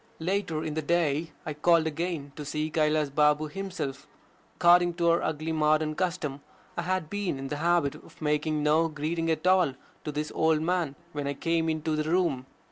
Later in the day I called again to see Kailas Balm himself. According to our ugly modern custom, I had been in the habit of making no greeting at all to this old man when I came into the room.